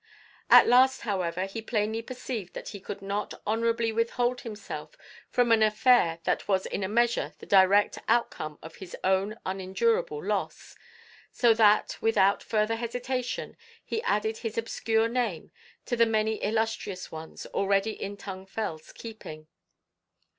At last, however, he plainly perceived that he could not honourably withhold himself from an affair that was in a measure the direct outcome of his own unendurable loss, so that without further hesitation he added his obscure name to the many illustrious ones already in Tung Fel's keeping.